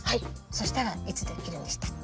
そしたらいつできるんでしたっけ？